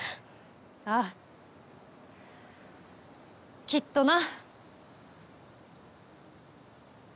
ああきっとな。